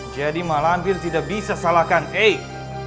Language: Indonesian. jadi pak lampir tidak bisa salahkan eik